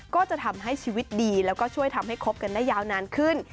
ก็จะทำให้ชีวิตดีแล้วก็ช่วยทำให้คบกันได้ยาวนานขึ้น